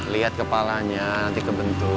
lihat kepalanya nanti kebentuk